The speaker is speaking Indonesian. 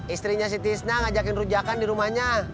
istrinya si tisna ngajakin rujakan di rumahnya